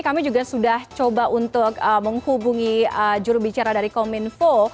kami juga sudah coba untuk menghubungi jurubicara dari kominfo